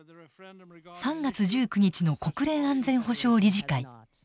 ３月１９日の国連安全保障理事会。